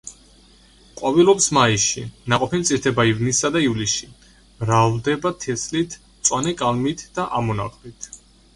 ყვავილობს მაისში, ნაყოფი მწიფდება ივნისსა და ივლისში, მრავლდება თესლით, მწვანე კალმით და ამონაყრით.